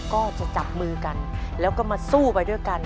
ก็จะจับมือกันแล้วก็มาสู้ไปด้วยกัน